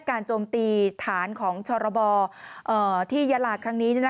โจมตีฐานของชรบที่ยาลาครั้งนี้